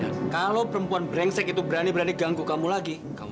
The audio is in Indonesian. dan kalau perempuan berengsek itu berani berani ganggu kamu lagi kamu bilang sama bapak